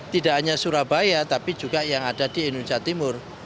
tidak hanya surabaya tapi juga yang ada di indonesia timur